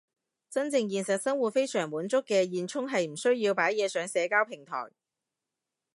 真正現實生活非常滿足嘅現充係唔需要擺嘢上社交平台